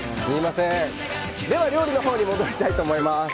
では料理のほうに戻りたいと思います。